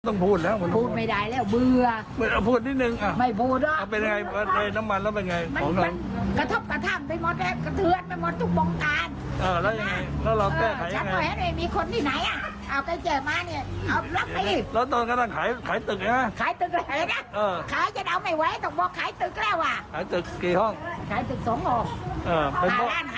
มันมีแหละมันไม่ไหวไม่มีผูช่วยไม่มีอะไร